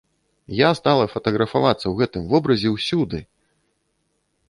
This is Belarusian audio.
Я стала фатаграфавацца ў гэтым вобразе ўсюды!